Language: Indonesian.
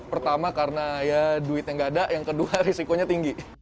pertama karena ya duitnya nggak ada yang kedua risikonya tinggi